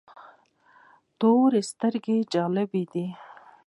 تور سترګي جلی ده